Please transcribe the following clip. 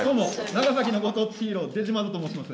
長崎のご当地ヒーローデジマードと申します。